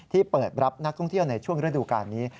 เปิดรับนักท่องเที่ยวในช่วงฤดูการนี้